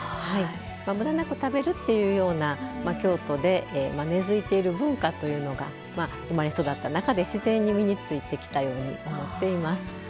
むだなく食べるというような京都で根づいているという文化が生まれ育った中で自然に身についてきたように思っています。